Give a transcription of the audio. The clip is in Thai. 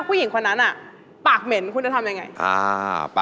วีนัทครับ